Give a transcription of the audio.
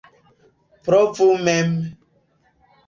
Provu mem!